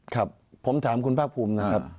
ครับผมถามคุณภาคภูมินะครับ